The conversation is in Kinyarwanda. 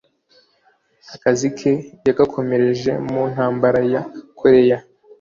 Akazi ke yagakomereje mu ntambara ya Koreya